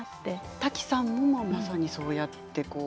タキさんもまさにそうやってこう。